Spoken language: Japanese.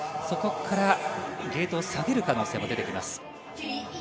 そこからゲートを下げる可能性も出てきます。